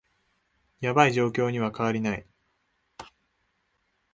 ヤバい状況には変わりない